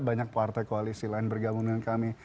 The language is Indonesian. banyak partai koalisi lain bergabung dengan kami